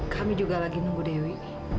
kami juga lagi nunggu dewi